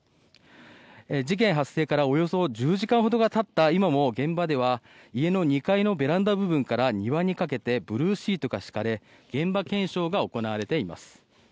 事件発生からおよそ１０時間ほどがたった今も現場では家の２階のベランダ部分から庭にかけてブルーシートが敷かれ現場検証が行われています。